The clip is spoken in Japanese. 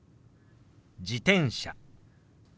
「自転車」。